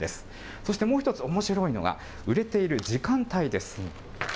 そしてもう一つ、おもしろいのが、売れている時間帯です。